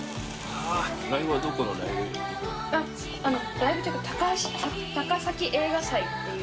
ライブっていうか高崎映画祭っていう